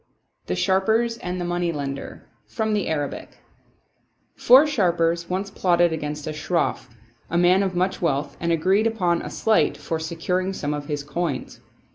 The Sharpers and the Moneylender From the Arabic J70UR sharpers once plotted against a Shroff, a man of much wealth, and agreed upon a sleight for securing some of his coins.